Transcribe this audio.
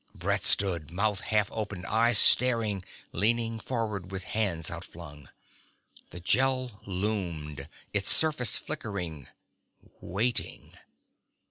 Brett stood, mouth half open, eyes staring, leaning forward with hands outflung. The Gel loomed, its surface flickering waiting.